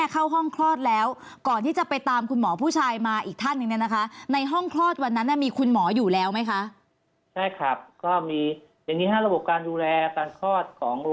การประเมินสำคัญที่สุดคือการประเมินการคลอด